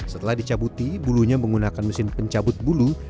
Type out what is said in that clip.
setelah dicabuti bulunya menggunakan mesin pencabut bulu